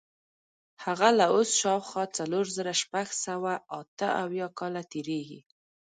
هغه له اوسه شاوخوا څلور زره شپږ سوه اته اویا کاله تېرېږي.